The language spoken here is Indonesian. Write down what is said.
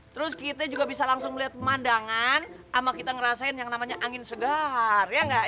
terus kita juga bisa langsung melihat pemandangan sama kita ngerasain yang namanya angin segar ya enggak